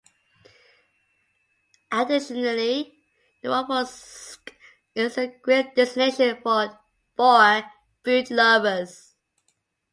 Additionally, Novorossiysk is a great destination for food lovers.